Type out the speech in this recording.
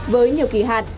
với nhiều kỳ hạn